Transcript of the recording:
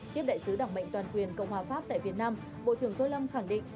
tiếp đại sứ đảng mệnh toàn quyền cộng hòa pháp tại việt nam bộ trưởng tô lâm khẳng định